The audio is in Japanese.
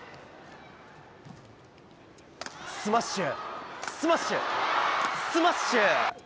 スマッシュ、スマッシュ、スマッシュ。